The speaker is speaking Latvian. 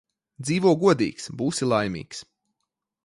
Dzīvo godīgs – būsi laimīgs